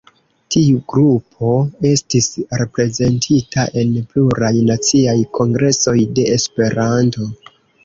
Tiu grupo estis reprezentita en pluraj naciaj kongresoj de Esperanto.